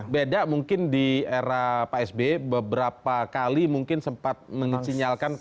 beda mungkin di era pak sby beberapa kali mungkin sempat mengecinyalkan